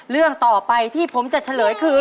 เรื่องต่อไปที่ผมจะเฉลยคือ